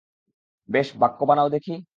বেশ, বাক্য বানাও দেখি।